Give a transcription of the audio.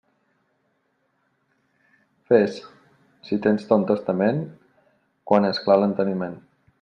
Fes, si tens ton testament, quan és clar l'enteniment.